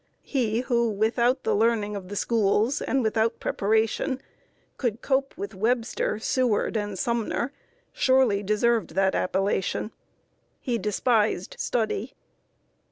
He who, without the learning of the schools, and without preparation, could cope with Webster, Seward, and Sumner, surely deserved that appellation. He despised study.